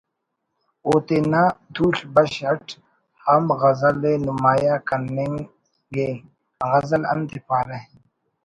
او تینا تول/ Bush it ہم غزل ءِ نمایاں کننگ ءِ ……غزل انت ءِ پارہ